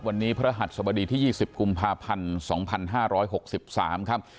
วันนี้พระหัสสบดีที่๒๐กุมภาพันธ์๒๕๖๓ครับ